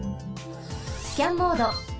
スキャンモード。